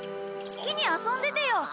好きに遊んでてよ。